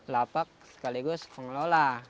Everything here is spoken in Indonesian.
lapak sekaligus pengelola